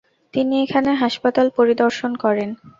তিনি এখানে হাসপাতাল পরিদর্শন করেন।